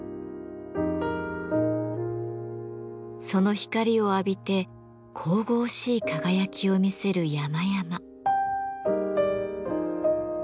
その光を浴びて神々しい輝きを見せる山々。